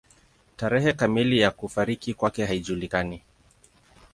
Tarehe kamili ya kufariki kwake haijulikani.